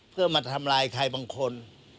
เพื่อมาทำลายใครบางคน